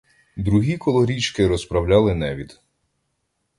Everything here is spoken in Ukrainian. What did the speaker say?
Другі коло річки розправляли невід.